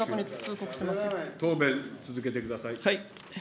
答弁、続けてください。